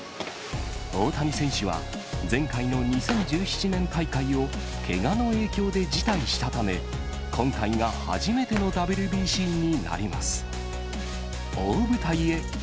大谷選手は、前回の２０１７年大会をけがの影響で辞退したため、今回が初めてのＷＢＣになります。